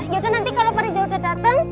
yaudah nanti kalau pak riza sudah datang